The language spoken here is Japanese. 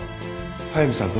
速見さんと？